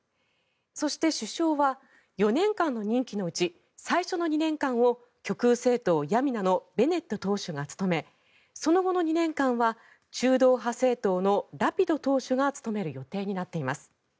そして、首相は４年間の任期のうち最初の２年間を極右政党ヤミナのベネット党首が務めその後の２年間は中道派政党のラピド党首が務める予定になっています。